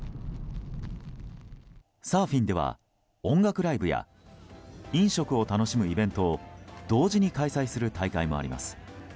サーフィンでは、音楽ライブや飲食を楽しむイベントを同時に開催する大会もあります。